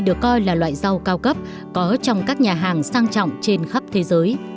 do là loại rau cao cấp có trong các nhà hàng sang trọng trên khắp thế giới